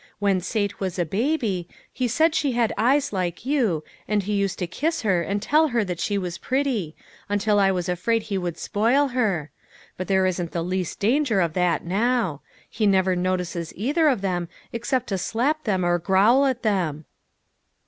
When Sate was a baby, he said she had eyes like you, and he used to kiss her and tell her she was pretty, until I was afraid he would spoil her; but there isn't the least danger of that now. He never notices either of them except to slap them or growl at them."